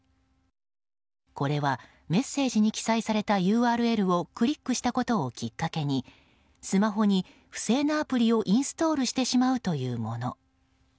これはメッセージに記載されたＵＲＬをクリックしたことをきっかけにスマホに不正なアプリをインストールしてしまうというもの。